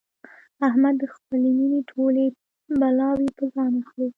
احمد د خپلې مینې ټولې بلاوې په ځان اخلي.